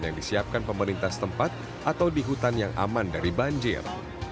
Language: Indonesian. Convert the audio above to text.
yang disiapkan pemerintah setempat atau di hutan yang aman dari banjir